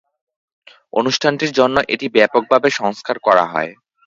অনুষ্ঠানটির জন্য এটি ব্যাপকভাবে সংস্কার করা হয়।